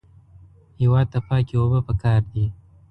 هېواد ته پاکې اوبه پکار دي